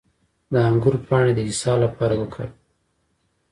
د انګور پاڼې د اسهال لپاره وکاروئ